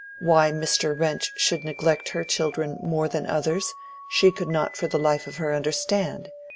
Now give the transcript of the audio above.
Why Mr. Wrench should neglect her children more than others, she could not for the life of her understand.